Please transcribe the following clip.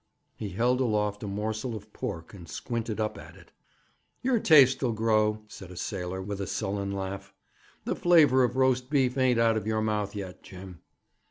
He held aloft a morsel of pork, and squinted up at it. 'Yer taste'll grow,' said a sailor, with a sullen laugh. 'The flavour of roast beef ain't out of your mouth yet, Jim.'